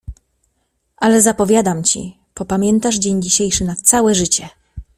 Ale zapowiadam ci… popamiętasz dzień dzisiejszy na całe życie!